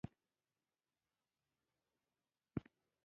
لمسی د شیدو خوند پیژني.